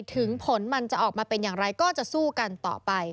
ถึงผลมันจะออกมาเป็นอย่างไรก็จะสู้กันต่อไป